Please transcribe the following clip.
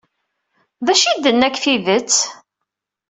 D acu ay d-tenna deg tidet?